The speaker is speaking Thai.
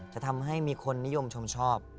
จะทำให้มีคนนิยมชมชอบ